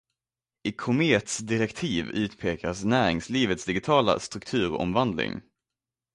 I Komets direktiv utpekas näringslivets digitala strukturomvandling.